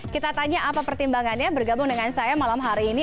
kita tanya apa pertimbangannya bergabung dengan saya malam hari ini